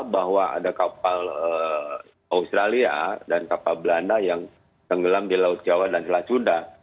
bahwa ada kapal australia dan kapal belanda yang tenggelam di laut jawa dan selat sunda